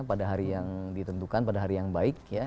pada hari yang ditentukan pada hari yang baik